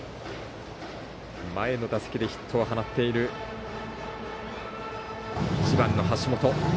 前の打席でヒットを放っている１番の橋本。